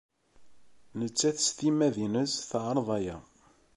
Nettat s timmad-nnes teɛreḍ aya.